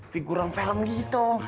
figuran film gitu om